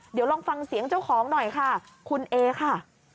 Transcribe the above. เดี๋ยวลองฟังเสียงเจ้าของหน่อยค่ะคุณเอค่ะ